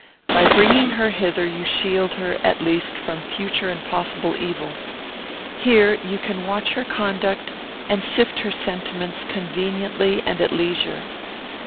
By bringing her hither you shield her, at least, from future and possible evils. Here you can watch her conduct and sift her sentiments conveniently and at leisure.